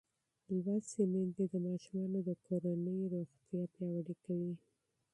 تعلیم لرونکې میندې د ماشومانو د کورنۍ روغتیا پیاوړې کوي.